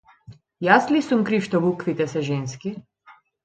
Јас ли сум крив што буквите се женски?